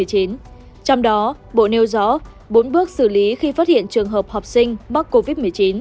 trong đó bộ nêu rõ bốn bước xử lý khi phát hiện trường hợp học sinh mắc covid một mươi chín